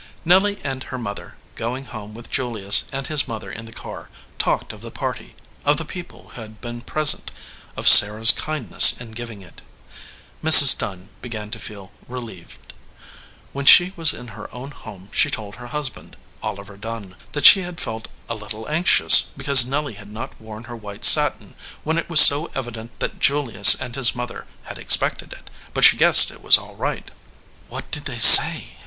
Nelly and her mother, going home with Julius and his mother in the car, talked of the party, of the people who had been present, of Sarah s kind ness in giving it. Mrs. Dunn began to feel relieved. When she was in her own home she told hei hus band, Oliver Dunn, that she had felt a little anxious because Nelly had not worn her white satin when it was so evident that Julius and his mother had ex pected it, but she guessed it was all right. "What did they say?"